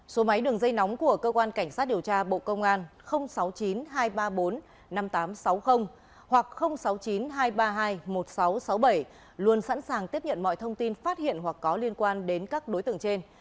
số máy đường dây nóng của cơ quan cảnh sát điều tra bộ công an sáu mươi chín hai trăm ba mươi bốn năm nghìn tám trăm sáu mươi hoặc sáu mươi chín hai trăm ba mươi hai một nghìn sáu trăm sáu mươi bảy luôn sẵn sàng tiếp nhận mọi thông tin phát hiện hoặc có liên quan đến các đối tượng trên